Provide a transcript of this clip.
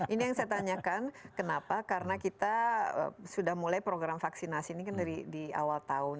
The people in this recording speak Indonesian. ini yang saya tanyakan kenapa karena kita sudah mulai program vaksinasi ini kan dari di awal tahun